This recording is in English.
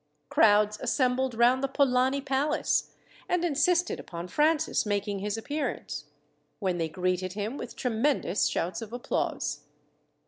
Crowds assembled round the Polani Palace, and insisted upon Francis making his appearance, when they greeted him with tremendous shouts of applause.